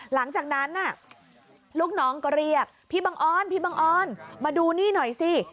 หลังจากนั้นลูกน้องก็เรียกพี่บังออนพี่บังออนมาดูนี่หน่อยสิ